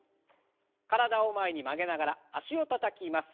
体を前に曲げながら脚をたたきます。